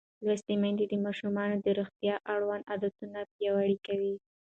لوستې میندې د ماشومانو د روغتیا اړوند عادتونه پیاوړي کوي.